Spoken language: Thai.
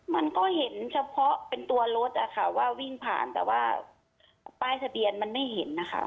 มันก็เห็นเฉพาะเป็นตัวรถอะค่ะว่าวิ่งผ่านแต่ว่าป้ายทะเบียนมันไม่เห็นนะคะ